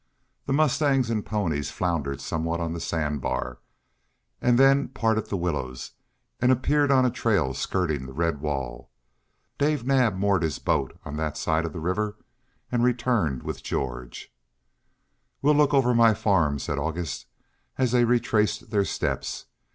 The mustangs and ponies floundered somewhat on the sand bar and then parted the willows and appeared on a trail skirting the red wall. Dave Naab moored his boat on that side of the river, and returned with George. "We'll look over my farm," said August, as they retraced their steps.